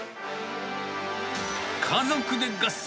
家族で合作！